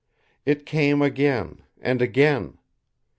It came again, and again.